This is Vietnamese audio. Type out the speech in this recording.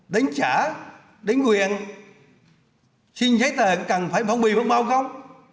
đánh trả đánh quyền xin giấy tờ cần phải phong bì phong bao không